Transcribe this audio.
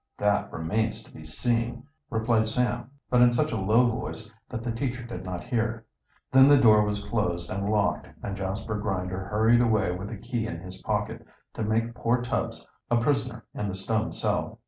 "That remains to be seen," replied Sam, but in such a low voice that the teacher did not hear. Then the door was closed and locked, and Jasper Grinder hurried away with the key in his pocket, to make poor Tubbs a prisoner in the stone cell.